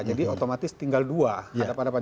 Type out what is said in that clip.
jadi otomatis tinggal dua hadapan hadapan